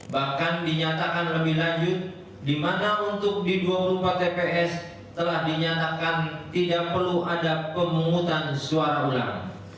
bahkan dinyatakan lebih lanjut di mana untuk di dua puluh empat tps telah dinyatakan tidak perlu ada pemungutan suara ulang